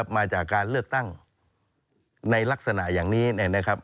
มาจากการเลือกตั้งในลักษณะอย่างนี้นะครับ